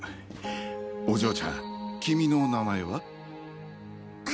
お嬢ちゃん君の名前は？